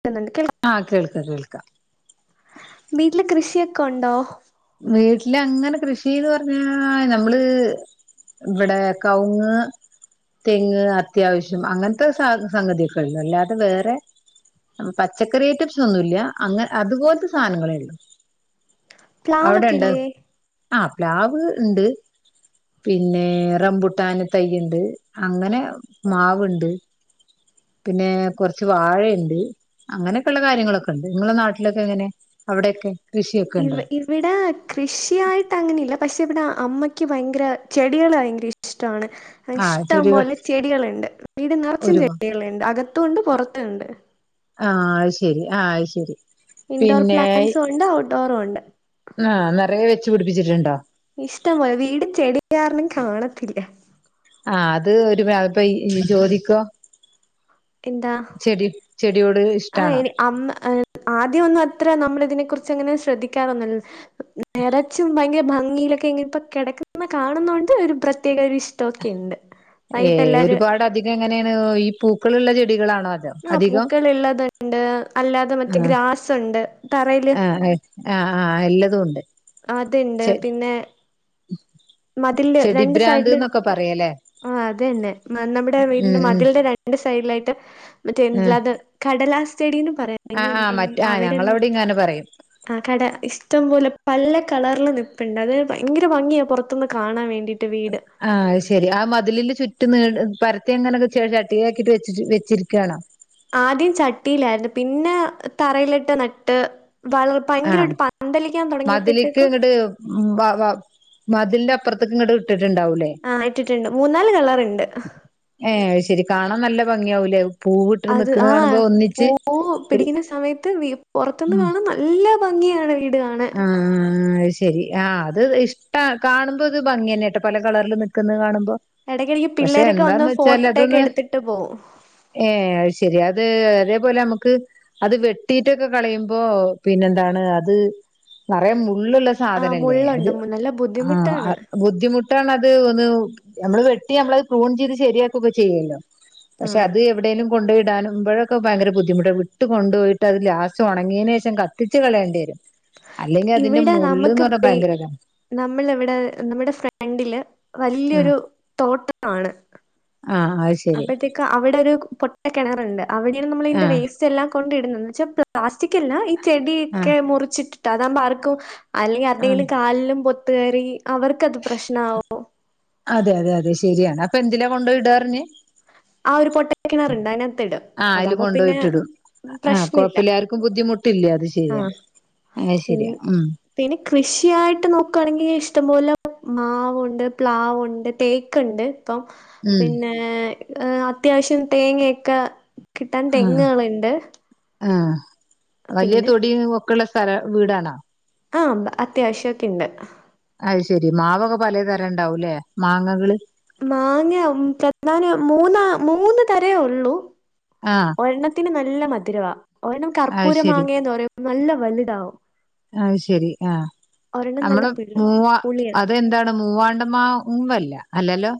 പറ്റുന്നുണ്ട് കേൾ ആഹ് കേൾക്ക കേൾക്ക. വീട്ടില് കൃഷിയൊക്കെ ഉണ്ടോ? വീട്ടിലങ്ങനെ കൃഷിന്ന് പറഞ്ഞാ നമ്മള്. ഇവിടെ കൗങ്ങ് തെങ്ങ് അത്യാവശ്യം അങ്ങനത്തെ സംഗതി ഒക്കെള്ളൂ അല്ലാതെ വേറെ. പച്ചക്കറി ഐറ്റംസ് ഒന്നുമില്ല അങ്ങ അതുപോലത്തെ സാധനങ്ങളെ ഉള്ളു. പ്ലാവൊക്കെ അവിടെണ്ട് ഇല്ലേ ആഹ് പ്ലാവ് ഉണ്ട്. പിന്നെ റംമ്പുട്ടാന് തൈയുണ്ട് അങ്ങനെ മാവുണ്ട്. പിന്നെ കൊറച്ച് വാഴയുണ്ട്. അങ്ങനെയൊക്കെയുള്ള കാര്യങ്ങളൊക്കെ ഉണ്ട് നിങ്ങളെ നാട്ടിലൊക്കെ എങ്ങനെ അവിടെക്കെ കൃഷിയൊക്കെ ഉണ്ടോ. വിടെ കൃഷിയായിട്ട് അങ്ങനെയില്ല പക്ഷെ ഇവിടെ അമ്മയ്ക്ക് ഭയങ്കര ചെടികള് ഭയങ്കര ഇഷ്ടാണ് ആഹ് ഇഷ്ടം ചെടികൾ പോലെ ചെടികള്ണ്ട് വീട് നെറ്ച്ചും ഒരുപാ ചെടികളുണ്ട് അകത്തുംണ്ട് പൊറത്തുണ്ട് ആഹ് ശെരി ആഹ് ശരി ഇൻഡോർ പിന്നെ പ്ലാന്ൻറ്സും ഉണ്ട് ഔട്ട്ഡോറും ണ്ട് ആഹ് നെറയെ വെച്ച് പിടിപ്പിച്ചിട്ടുണ്ടോ ഇഷ്ടംമ്പോലെ വീട് ചെടി കാരണം കാണത്തില്ല ആഹ് അത് ഒരുപാ ഇപ്പയ് ജോദിക്കോ എന്താ ചെടി ചെടിയോട് ഇഷ്ടാണോ അമ്മ് ഏ ആദ്യം ഒന്നും അത്ര നമ്മള് ഇതിനെക്കുറിച്ചങ്ങനെ ശ്രദ്ധിക്കാറൊന്നു നെറച്ചും ഭയങ്കര ഭംഗിയിലൊക്കെ ഇങ്ങനെ ഇപ്പോ കെടക്കുന്ന കാണുന്നൊണ്ട് ഒരു പ്രത്യേക ഒരുഷ് ഷ്ട ഒക്കെണ്ട് വൈകിയിട്ട് എല്ലാരും തെങ്ങനെയാണ് ഈ പൂക്കളുള്ള ചെടികളാണോ അതോ ആഹ് അധികം പൂക്കള് ള്ളത്ണ്ട് അല്ലാതെ മറ്റേ ആഹ് ഗ്രാസ്ണ്ട് തറയില് ആഹ് ആഹ് ആഹ് എല്ലതും ഉണ്ട് അത്ണ്ട് ചെ പിന്നെ മതില്ല് രണ്ട് ചെടിഭ്രാന്ത് സൈഡില് എന്നൊക്കെ പറയല്ലേ ആഹ് അതന്നെ ന്ന നമ്മുടെ വീടിന്റെ ഉം മതിൽന്റെ ര ണ്ട് സൈഡിലായിട്ട് മറ്റേ ഉം [unintelligible] കടലാസ് ചെടിനും പറയാം ആഹ് ആഹ് ആഹ് [unintelligible] മറ്റേ ആഹ് അവിടെന്ത് ഞങ്ങളവിടെ ഇങ്ങനെ പറയും ആഹ് കട ഇഷ്ടം പോലെ പല കളറില് നിപ്പ്ണ്ട് അത് ഭയങ്കര ഭംഗിയാ പൊറ ത്ത്ന്ന് കാണാൻ വേണ്ടി ആഹ് അഅ് ശരി ആ മതിലില് ചുറ്റും നീണ്ട് പരത്തി അങ്ങനെക്കെ [unintelligible] ആക്കിയിട്ട് വെച്ച് വെച്ചിരിക്കുകയാണോ? ആദ്യം ചട്ടിയിലായിരുന്നു പിന്നെ തറയിലിട്ട് നട്ട് വളർ ആഹ് ഭയങ്കരായിട്ട് പന്തലിക്കാൻ തൊടങ്ങിയപ്പോഴത്തേകും ഉം ബാവാ മതിൽന്റെ അപ്പറ്ത്ത്ക്ക് ഇങ്ങട്ട് ഇട്ടിട്ടുണ്ടാവൂല്ലേ ആഹ് ഇട്ട്ട്ട്ണ്ട് മൂന്നാല് കളറ്ണ്ട് ഏഹ് അഅ് ശെരി കാണാൻ നല്ല ഭംഗിയാവൂലേ പൂവിട്ട് അത് നിക്കണ കാണുമ്പോ ആഹ് ഒന്നിച്ച് പൂവ് പിടിക്കുന്ന സമയത്ത് വി പൊറത്ത്ന്ന് ഉം കാണാൻ ന ല്ല ഭംഗിയാണ് വീട് കാണാൻ ആഹ് അത് ശരി ആഹ് അത് ഇഷ്ടാ കാണുമ്പത് ഭംഗിന്നെട്ടോ പല കളർല് നിക്ക്ന്നത് കാണുമ്പോ എടയ്ക്കിടക്ക് പിള്ളേരൊക്കെ വന്നു ചെലത് ന് ഏഹ് അഅ് ശെരി അത് അതേപോലെ നമക്ക് അത് വെട്ടിട്ടൊക്കെ കളയുമ്പോ പിന്നെന്താണ് അത് നറയെ മുള്ള്ള്ള ആ സാധനല്ലേ അത് മുള്ളുണ്ട് നല്ല ആഹ് ബുദ്ധിമുട്ടാണ് അഅ് ബുദ്ധിമു ട്ടാണ് അത് ഒന്ന് നമ്മള് വെട്ടി നമ്മളത് പ്രൂൺ ചെയ്ത് ശരിയാക്കൊക്കെ ചെയ്യല്ലോ ആ പക്ഷെ അത് എവിടെലും കൊണ്ടോയിടാനും മ്പഴൊക്കെ ഭയങ്കര ബുദ്ധിമുട്ടാ വിട്ട് കൊണ്ടുപൊയിട്ട് അത് ലാസ്റ്റ് ഒണങ്ങിയതിന് ശേഷം കത്തിച്ച് കളയണ്ടി വരും അല്ലെങ്കി അതിന്റെ മുള്ള് ന്ന് പറ്ഞ്ഞാ ഭയങ്കര താ നമ്മളവിടെ നമ്മുടെ ഫ്രണ്ടില് ആഹ് വല്ല്യൊരു തോട്ടമാണ് ആഹ് അഅ്ശെ അപ്പോഴത്തേക് അവിടെ ഒരു പൊട്ട കെണറുണ്ട് അവിടെയാണ് നമ്മൾ ഇതിന്റെ ആഹ് വേസ് ചെല്ലാം കൊണ്ട ഇടുന്നുന്ന് വെച്ചാ പ്ലാസ്റ്റിക് അല്ലാ ഈ ആഹ് ചെടിയൊക്കെ മുറിച്ചിട്ടിട്ട് അതാവുമ്പം ആർക്കും അല്ലെങ്കി ആഹ് ആര്ടെങ്കിലും കാലിലും പൊത്ത് കേറി അവതക്കത് പ്രശ്നാവും അതെ അതെ അതെ ശരിയാണ് അപ്പൊ എന്തിലാ കൊണ്ടയിടാ അർഞ്ഞ്? ആഹ് ഒരു പൊട്ടക്കിണറ്ണ്ട് അതിനകത്ത്ടും ആഹ് അയില് അതാകുമ്പോ പിന്നെ കൊണ്ടോയിട്ടിടും ആഹ് പ്രശ്നമില്ല കൊഴപ്പില്ല ആർക്കും ബുദ്ധിമുട്ടില്ല അത് ശരിയാ ആ അഅ് പിൻ ശരിയാ ഉം പിന്നെ കൃഷിയായിട്ട് നോക്കാണെങ്കി ഇഷ്ടം പോല മാവുണ്ട് പ്ലാവുണ്ട് തേക്ക്ണ്ട് പ്പം ഉം പിന്നേ അത്യാവശ്യം തേങ്ങയൊക്കെ കിട്ടാൻ ആഹ് തെങ്ങ്‌കളുണ്ട് ആഹ് അവല്ല്യ തൊടി ഒക്കെള്ള സ്ഥല വീടാണോ? ആഹ് അത്യാവശ്യൊക്കിണ്ട്. അത് ശെരി മാവൊക്കെ പലേ തരം ണ്ടാവും ല്ലെ മാങ്ങകള്. മാങ്ങ ചെത്താന് മൂന്നാ മൂന്ന് തരേ ഉള്ളൂ ആഹ്. ഒരെണ്ണത്തിന് നല്ല മധുരവാ ഒരെണ്ണം അത് കർപ്പൂര ശരി മാങ്ങയെന്ന് പറയു നല്ല വലുതാവും. അത് ശെരി ആഹ് ഒരെണ്ണം നല്ല നമ്മള് പിള്ള് മൂവാ പുളിയ അതെന്താണ് മൂവാണ്ടമാവ് ഉമ്മല്ല അല്ലല്ലോ?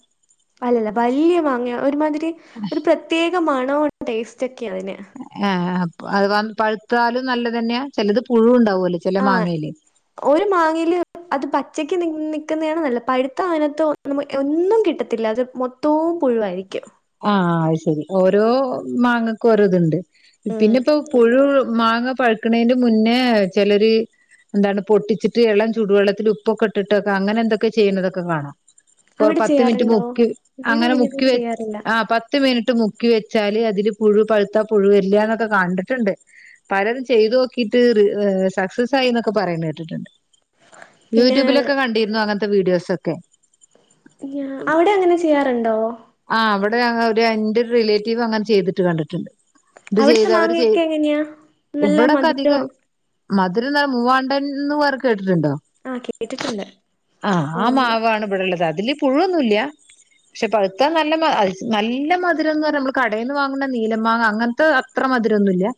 അല്ലല്ല വലിയ മാങ്ങയ ഒരുമാതിരി ഒരു പ്രത്യേക മണോം ടേസ്റ്റ് ക്കെ അതിന്. ഏഹ് അ പ പഴുത്താലും നല്ലതെന്നാ ചെലത് പുഴു ണ്ടാവൂലേ ചെല ആ മാങ്ങേല്. ഒരു മാങ്ങയില് അത് പച്ചക്ക് നി നിക്ക്ന്നാണ് നല്ലത് പഴുത്ത അയിനാത്ത് ഒന്നും കിട്ടത്തില്ല അത് മൊ തോം പുഴുവായിരിക്കും. ആഹ് അയ് ശരി ഓരോ മാങ്ങക്കും ഓരോത്ണ്ട് ഉം പിന്നിപ്പോ പുഴു മാങ്ങ പഴക്ക്ണേന്റെ മുന്നേ ചെലര് എന്താണ് പൊട്ടിച്ചിട്ട് എളം ചൂടുവെള്ളത്തിൽ ഉപ്പൊക്കെ ഇട്ട്ട്ടക്ക അങ്ങനെ എന്തൊക്കെ ചെയ്യുന്നതൊക്കെ കാണാം. കോ അവിടെ പത്ത് മിനിറ്റ് ചെയ്യാറുണ്ടോ മുക്കി ഇവിടെ അങ്ങനെ മുക്കി അങ്ങനെയൊന്നും വെ ചെയ്യാറില്ല ആ പത്ത് മിനിറ്റ് മുക്കി വെച്ചാല് അതില് പുഴു പഴുത്ത പുഴു വെരില്ലാന്നൊക്കെ കാണ്ടിട്ട്ണ്ട്. പലരും ചെയ്തോക്കീട്ട് സക്സസ് ആയി ന്നൊക്കെ പറയ്ണ കേട്ടിട്ട്ണ്ട്. പിന്നെ യൂട്യൂബിലൊക്കെ കണ്ടിര്ന്നോ അങ്ങനത്തെ വീഡിയോസൊക്കെ. ഇല്ല്യ അവ്ടെ അങ്ങനെ ചെയ്യാറുണ്ടോ ആ അവ്ടെ ഒരു എന്റെ റിലേറ്റീവ് അങ്ങനെ ചെയ്തിട്ട് കണ്ടിട്ട്ണ്ട്. ഇത് അവിടുത്തെ ചെയ്തവര് മാങ്ങയൊക്കെ ചെയ്യും എങ്ങനെയാ നല്ല ഇവിടക്കെ അധികം മധുരം മധുരം ന മൂവാണ്ടൻ ന്ന് പർ കേട്ടിട്ട്ണ്ടോ ആ കേട്ടിട്ടുണ്ട് ആഹ് ആ മാവാണ് ഇവിടിള്ളത് അതില് പുഴൊന്നുല്ല്യ ക്ഷെ പഴുത്ത നല്ല മ നല്ല മധുരംന്ന് പറയും മ്മള് കടേന്ന് വാങ്ങുന്ന നീല മാങ്ങ അങ്ങൻത്തെ അത്ര മധുരൊന്നുല്ലൃ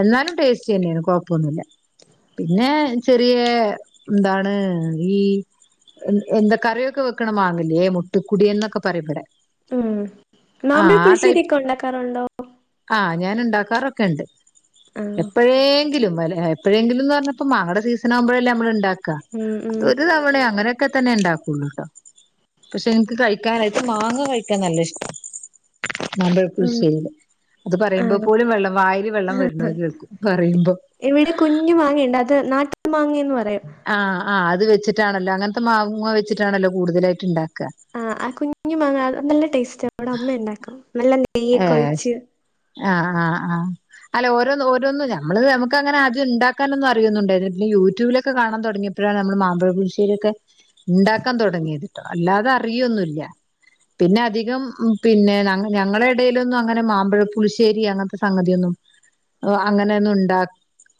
എന്നാലും ടേസ്റ്റ്ന്നെയാണ് കൊഴപ്പൊന്നുല്ല. പിന്നെ ചെറിയ എന്താണ് ഈ എന്താ കറിയൊക്ക വെക്കണ മാങ്ങല്ല്യേ മുത്തുക്കുടിയൻ ന്നൊക്കെ പറയും ഇവ്ടെ. ഉം മാമ്പഴ പുളിശ്ശേരിയൊക്കെ ഒണ്ടാക്കാറൊണ്ടോ ആഹ് ഞാൻ ഉണ്ടാക്കാറൊക്കെണ്ട് ആ എപ്പഴേങ്കിലും വല്ല എപ്പഴേങ്കിലുംന്ന് പർഞ്ഞ പ്പ മാങ്ങേടെ സീസണ ആവുംമ്പഴല്ലേ അമ്മളിണ്ടാക്ക ഉം അത് ഉം ഒരു തവണയ അങ്ങന ക്ക തന്നിണ്ടാക്കൂള്ളൂട്ടാ പക്ഷെ ഏൻക്ക് കഴിക്കാനായിട്ട് മാങ്ങ കഴിക്കാൻ നല്ല ഇഷ്ട്ടാ മാംമ്പഴ ഉം പുളിശേരിലെ അത് ആ പറയുമ്പോ പോലും വെള്ളം വായില് വെള്ളം വെരുണു അത് കേൾക്കു പറയുംമ്പം. ഇവിടെ കുഞ്ഞ് മാങ്ങെണ്ട് അത് നാട്ടു മാങ്ങേന്ന് പറയും. ആഹ് ആ അത് വെച്ചിട്ടാണല്ലോ അങ്ങൻത്തെ മാവുങ്ങ വെച്ചിട്ടാണല്ലോ കൂടുതലായിട്ട്ണ്ടാക്ക. ആ ആ കുഞ്ഞു മാങ്ങ നല്ല ടേസ്റ്റ് ഇവ്ട അമ്മയിണ്ടാക്കും നല്ല നെയ്യൊക്കെ ഏസ് ഒഴിച്ച് ആഹ് ആഹ് ആഹ്. അല്ല ഓരോന്ന് ഓരോന്ന് നമ്മള് നമുക്കങ്ങനെ അതിണ്ടാക്കാനോന്നും അറിയുന്നുണ്ടായിരി പിന്നെ യൂട്യൂബിലൊക്കെ കാണാൻ തൊടങ്ങീ ഇപ്പഴാണ് നമ്മള് മാമ്പഴ പുളുശ്ശേരിക്ക ഇണ്ടാക്കാൻ തൊടങ്ങിയത്. അല്ലാതെ അറിയൊന്നുല്ലൃ പിന്നെ അധികം പിന്നെ ഞ ഞങ്ങള് ളിടയിലൊന്നും അങ്ങനെ മാംമ്പഴ പുളുശ്ശേരി അങ്ങനത്തെ സംഗതിയൊന്നും ഓ അങ്ങനെയൊന്നുണ്ടാ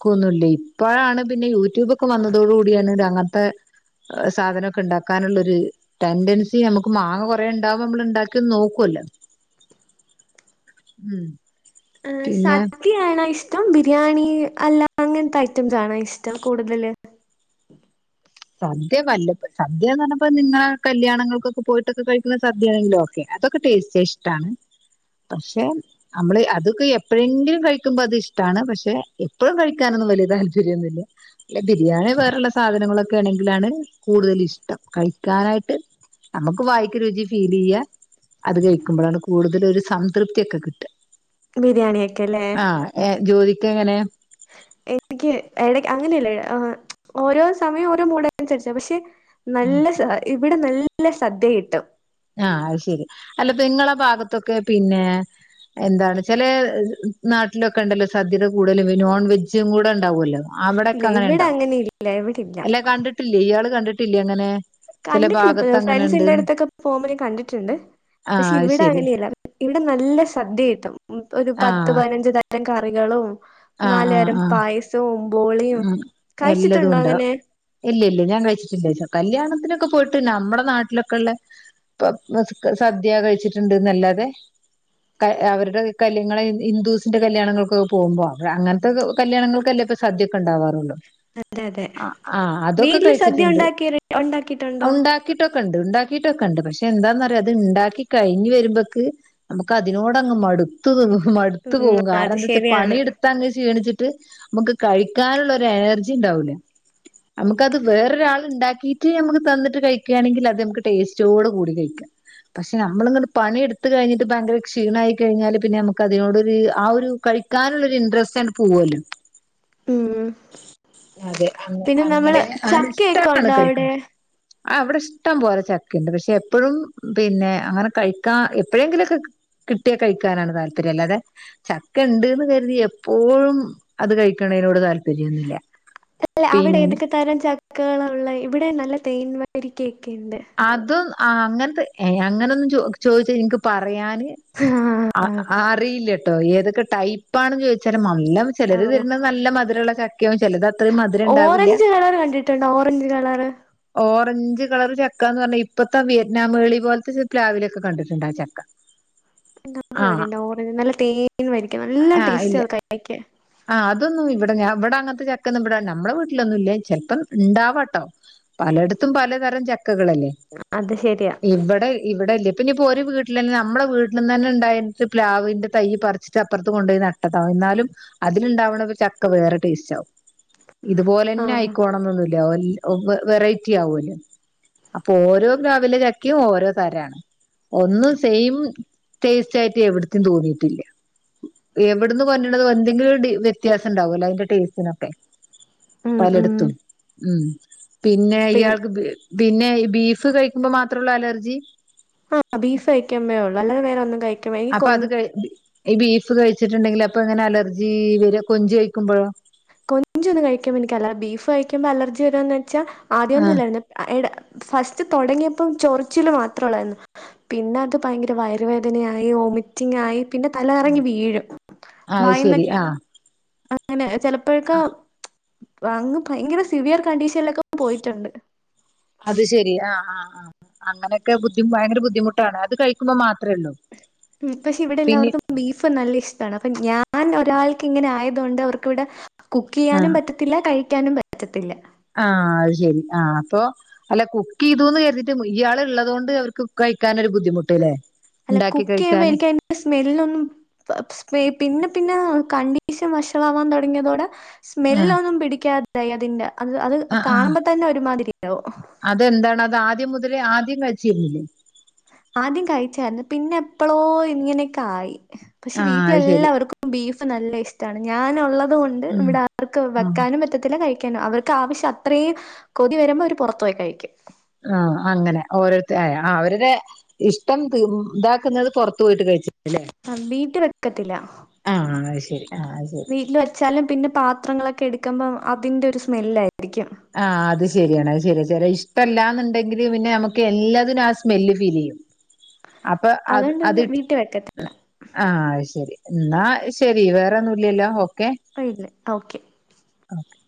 ക്കുന്നുല്ലൃ ഇപ്പൊഴാണ് പിന്നെ യൂ ട്യൂബൊക്കെ വന്നതോടു കൂടിയാണ് അങ്ങൻത്തെ സാധനൊക്കെ ഇണ്ടാക്കാനുള്ളൊര് ടെൻഡൻസി ഞമക്ക് മാങ്ങ കൊറേണ്ടാവുംമ്പോ അമ്മളിണ്ടാക്കി നോക്കുവല്ലോ. ഉം ആ സ പിന്നെ ദ്യാണോ ഇഷ്ടം ബിരിയാണി അല്ല അങ്ങൻത്തെ ഐറ്റംസാണോ ഇഷ്ടം കൂടുതല് സദ്യ വല്ലപ്പ സദ്യാന്ന് പറഞ്ഞപ്പോ നിങ്ങള കല്യാണങ്ങൾക്കൊക്കെ പോയിട്ടൊക്ക കഴിക്കുന്ന സദ്യാണെങ്കിലോ അതൊക്കെ ടേസ്റ്റെയ്യാൻ ഇഷ്ടാണ് പക്ഷെ നമ്മള് അതൊക്കെ എപ്പോഴെങ്കിലും കഴിക്കുംമ്പോ അതിഷ്ട്ടാണ് പക്ഷെ എപ്പഴും കഴിക്കാനൊന്നും വലൃ താല്പര്യൊന്നുല്ല അല്ല ബിരിയാണി വേറുള്ള സാധനങ്ങളൊക്കാണെങ്കിലാണ് കൂടുതൽ ഇഷ്ടം കഴിക്കാനായിട്ട് നമുക്ക് വായിക്ക് രുചി ഫീലെയ്യ അത് കഴിക്കുംമ്പൊഴാണ് കൂടുതലൊരു സംതൃപ്തിയൊക്കെ കിട്ടാ ബിരിയാണിക്കല്ലേ എഹ് ജോലിക്കെങ്ങനെയാ? എനിക്ക് അങ്ങനെയല്ല ഓരോ സമയം ഓരോ മൂഡ് അനുസരിച്ച പക്ഷെ നല്ല സാ ഇവിടെ നല്ല സദ്യ കിട്ടും ആഹ് അഹ് ശെരി അല്ല നിങ്ങളെ ഭാഗത്തൊക്കെ പിന്നെ എന്താണ് ചെലേ നാട്ടിലൊക്കെ ഇണ്ടല്ലോ സദ്യയുടെ കൂടെ നോൺ വെജും കൂടെ ഇണ്ടാവൊല്ലോ? അവ്ടെക്കെ ഇല്ല ഇവിടെ അങ്ങനെണ്ടോ? അങ്ങനെ ഇല്ല ഇവിടെ എല്ല ഇല്ല കണ്ടിട്ടില്ലേ? ഇയാള് കണ്ടിട്ടില്ലേ അങ്ങനെ? ചെല കണ്ടിട്ടിണ്ട് ഇപ്പ ഭാഗത്ത് അങ്ങനെ ഫ്രണ്ട്സിന്റെ ഇണ്ട്ന്ന് അടുത്തൊക്കെ പോ വുമ്പോ ഞാൻ കണ്ടിട്ടുണ്ട് ആഹ് പക്ഷെ അത് ഇവിടെ ശരി അങ്ങനെയല്ല ഇവിടെ നല്ല സദ്യ കിട്ടും ഉം ഒരു പത്ത് ആഹ് പതിനഞ്ചത് തരം കറികളും ആഹ് നാല് ആഹ് തരം ആഹ് പായസ സവും ബോളിയും കഴിച്ചിട്ടുണ്ടോ അങ്ങനെ? ഇല്ലല്ല ഞാൻ കഴിച്ചിട്ടില്ല കല്യാണത്തിനൊക്കെ പോയിട്ട് നമ്മുടെ നാട്ടിലൊക്കെള്ള ഇപ്പം സദ്യ കഴിച്ചിട്ട്ണ്ട് എന്നല്ലാതെ അവരുടെ കല്യാണ ഇങ്ങളെ ഹിന്ദൂസിന്റെ കല്യാണങ്ങൾക്കൊക്കെ പോകുമ്പോ അവ അങ്ങനത്തെ കല്യാണങ്ങൾക്കല്ലേ ഇപ്പൊ സദ്യ സദ്യയെക്കെ ഇണ്ടാവാറൊള്ളു അതെ അതെ ആഹ് ആഹ് അതൊക്കെ വീട്ടില് സദ്യ കഴിച്ചിട്ടുണ്ട് ഉണ്ടാക്കി ഉണ്ടാക്കിട്ടുണ്ടോ ഉണ്ടാ ക്കിയ്ട്ടൊക്കെണ്ട് ഉണ്ടാക്കിയ്ട്ടൊക്കെ ഇണ്ട് പക്ഷെ എന്താന്നറിയേ ഇത് ഇണ്ടാക്കി കഴിഞ്ഞ് വരുമ്പയേക്ക് നമുക്ക് അതിനോടങ്ങ് മടു ത്തും മടുത്തു ഉം പോവും അത് കാരണം എന്തെച്ചാല് ശരിയാണ് പണിയെടുത്തങ്ങ് ക്ഷീണിച്ചിട്ട് നമുക്ക് കഴിക്കാനുള്ളൊരു എനർജിണ്ടാവൂല അമ്മക്കത് വേറൊരാള് ഇണ്ടാക്കിയിട്ട് നമുക്ക് തന്നിട്ട് കഴിക്കാണെങ്കി അത് നമുക്ക് ടേസ്റ്റോട് കൂടി കഴിക്കാ പക്ഷെ നമ്മള് ഇങ്ങട്ട് പണിയെടുത്ത് കഴിഞ്ഞിട്ട് ഭയങ്കര ക്ഷീണായി കഴിഞ്ഞാല് പിന്നെ നമുക്ക് അതിനോടൊര് ആ ഒരു കഴി കാനുള്ളൊരു ഇൻട്രസ്റ്റ് ആണ്ട് പോവല്ലോ? ഉം അതെ അങ്ങ പിന്നെ നമ്മള് അങ്ങനെ ആ ഇഷ്ട്ടം ചക്കയൊക്കെ പോലെ ഉണ്ടോ കഴിക്കും അവിടെ ആഹ് ഇവിടെ ഇഷ്ടം പോലെ ചക്കയിണ്ട് പക്ഷെ എപ്പഴും പിന്നെ അങ്ങനെ കഴിക്കാ എപ്പഴെങ്കിലൊക്കെ കി കിട്ടിയാ കഴിക്കാനാണ് താല്പര്യം അല്ലാതെ ചക്ക ഇണ്ട്ന്ന് കരുതി എപ്പോഴും അത് കഴി ക്ക്ണേനോട് താൽപര്യ അല്ല അവിടെ ഏതൊക്കെ തരം ചക്കകള ഒള്ളെ? ഇവിടെ നല്ല തേൻ വരിക്ക ഒക്കെയ്ണ്ട് അതും ആഹ് അങ്ങനത്തെ ഏഹ് അങ്ങനെന്നും ചോയ്ച്ചാ ഇൻക്ക് പറയാന് ആഹ് അറിയില്ലട്ടോ ഏതൊക്കെ ടൈപ്പാണ് എന്ന് ചോദിച്ചാല് എല്ലാം ഓ ചെലര് തരുന്നത് നല്ല മധുരള്ള ചക്കയാകും ചെലത് അത്ര ഓറഞ്ച് കളറ് കണ്ടിട്ടുണ്ടോ? Orange colour? ഓറഞ്ച് കളറ് ചക്ക ചക്കാന്ന് പറഞ്ഞ ഇപ്പത്തെ വിയറ്റ്നാം മേളി പോലത്തെ പ്ലാവിലെക്കെ കണ്ടിട്ടുണ്ട് ആ ചക്ക നമ്മളെ ആ എവിടെയിണ്ട് ഓറഞ്ച് നല്ല തേൻ വെരിക്ക നല്ല ആ ഇല്ല ടേസ്റ്റാ അത് കഴിക്കാൻ ആഹ് അതൊന്നും ഇവിടെ ഇവിടെ അങ്ങനത്തെ ചക്കയെന്നും ഇവിടെ നമ്മളെ വീട്ടിലൊന്നും ഇല്ലേ ചെൽപ്പം ഇണ്ടാവട്ടോ? പലയിടത്തും പലതരം ചക്കകളല്ലേ? അത് ശരിയാ ഇവിടെ ഇവിടെ ഇല്ല പിന്നെപ്പൊ ഒരു വീട്ടിലന്നെ നമ്മടെ വീട്ടിൽന്നന്നെ ഇണ്ടായിട്ട് പ്ലാവിന്റെ തയ്യ് പറിച്ചിട്ട് അപ്പുറത്ത് കൊണ്ടോയി നട്ട എന്നാലും അതില്ണ്ടാവ്ണ ചക്ക വേറെ ടേസ്റ്റാകും ഇതുപോലെന്നെ ആഹ് ആയിക്കോണം എന്നൊന്നുല്ല ഓ വെറൈറ്റി ആവോല്ലോ? അപ്പൊ ഓരോ പ്ലാവിലെ ചക്കയും ഓരോ തരാണ് ഒന്നും സെയിം ടേസ്റ്റായിട്ട് എവിടിത്തിം തോന്നിയിട്ടില്ല എവടെന്ന് കൊണ്ടര്ന്നതും എന്തെങ്കി ലും ഒരു വ്യത്യാസം ഇണ്ടാവല്ലോ? അതിന്റെ ടേസ്റ്റിനൊക്കെ ഉം ഉം പലയിടത്തും ഉം പിന്നെ പിൻ ഇയാൾക്ക് പിന്നെ ഈ ബീഫ് കഴിക്കുമ്പോ മാത്രഉള്ളു അലർജി ആഹ് ബീഫ് കഴികുമ്പഴേ ഉള്ളു അല്ലാതെ വേറെ ഒന്നും കഴി അപ്പൊ അത് കഴി ഈ ബീഫ് കഴിച്ചിട്ടുണ്ടെങ്കിൽ അപ്പൊ എങ്ങനെ അലർജി വരും കൊഞ്ചു കഴിക്കുമ്പഴോ കൊഞ്ച് ഒന്നും കഴിക്കുമോ എനിക്കല്ല ബീഫ് കഴിക്കുമ്പോ അലർജി വരാന്ന് വച്ചാ ആദ്യം ഒന്നും ആഹ് ഇല്ലായിരുന്നു എടാ ഫസ്റ്റ് തൊടങ്ങിയപ്പോം ചൊറിച്ചില് മാത്ര ഉള്ളായിരുന്നു പിന്നെ അത് ഭയങ്കര വയറുവേദനയായി വൊമിറ്റിംഗ് ആയി പിന്നെ തല കറങ്ങി വീഴും അത് വായിന്ന് ശരി ആഹ് അങ്ങനെ ചെലപ്പഴൊക്കെ അങ്ങ് ഭയങ്കര സിവിയർ കണ്ടീഷനിലൊക്കെ പോയിട്ടുണ്ട് അത് ശെരി ആഹ് ആഹ് ആഹ് അങ്ങനെഒക്കെ ബുദ്ധിമുട്ട് ഭയങ്കര ബുദ്ധിമുട്ടാണ് അത് കഴിക്കുമ്പോ മാത്രേള്ളൂ ഉം പക്ഷെ ഇവിടെ എല്ലാവർക്കും ബീഫ് നല്ല ഇഷ്ടാണ് അപ്പൊ ഞാൻ ഒരാൾക്ക് ഇങ്ങനെ ആയതുകൊണ്ട് അവർക്കിവിടെ കുക്ക് ചെയ്യാനും പറ്റത്തില്ല കഴിക്കാനും പറ്റത്തില്ല ആഹ അത് ശെരി ആഹ അപ്പൊ അല്ല കുക്ക് ചെയ്തൂന്ന് കരുതിട്ട് ഇയാൾ ഇള്ളതുകൊണ്ട് അവർക്ക് കഴിക്കാനൊര് ബുദ്ധിമുട്ട്ല്ലേ അല്ല ഉണ്ടാക്കി കുക്ക് ചെയ്യുമ്പോ കഴിക്കാന് എനിക്ക് അതിന്റെ സ്മെല്ലൊന്നും പിന്നെ പിന്നെ കണ്ടീഷൻ വഷളാവാൻ തൊടങ്ങിയതോടെ സ്മെൽ ആഹ് ഒന്നും പിടിക്കാതായി അതിന്റെ അത് അത് ആഹ് ആഹ് കാണുമ്പോ തന്നെ ഒരുമാതിരി ആവും അതെന്താണ് അത് ആദ്യം മുതലേ ആദ്യം കഴ്ച്ചിരിന്നില്ലേ ആദ്യം കഴിച്ചായിരുന്നു പിന്നെ എപ്പളോ ഇങ്ങനെയൊക്കെ ആയി പക്ഷെ ആഹ് അത് ശരി വീട്ടിലെല്ലാവർക്കും ബീഫ് നല്ല ഇഷ്ടാണ് ഞാനുള്ളത് കൊണ്ട് ഉം ഇവിടെ ആർക്കും വെക്കാനും പറ്റത്തില്ല കഴി അവർക്ക് ആവശ്യം അത്രേയും കൊതി വരുമ്പോ അവര് പുറത്തു പോയി കഴിക്കും ഉം അങ്ങനെ ഓരോരുത്തരായ അവരുടെ ഇഷ്ടം ഇതാക്കുന്നത് പുറത്തു പോയിട്ട് കഴിച്ചിട്ടല്ലേ വീട്ടി വെക്കത്തില്ല ആഹ അത് ശരി ആഹ് അത് ശരി വീട്ടിൽ വെച്ചാലും പിന്നെ പാത്രങ്ങളൊക്കെ എടുക്കുമ്പോ അതിന്റെ ഒരു സ്മെല്ല് ആയിരിക്കും ആഹ് അത് ശെരിയാണ് അത് ശെരിയാ ഇഷ്ടല്ലാന്ന്ണ്ടെകിൽ പിന്നെ നമുക്ക് എല്ലാതിനും ആഹ് സ്മെൽ സ്മെല്ല് ഫീൽ ചെയ്യും അപ്പൊ അതുകൊണ്ട് അത് പിന്നെ ഇട് വീട്ടിൽ വെക്കത്തില്ല. ആഹ് ശെരി എന്നാ ശെരി വേറെ ഒന്നും ഇല്ല്യല്ലോ ഓക്കെ ഇല്ല ഓക്കെ [unintelligible]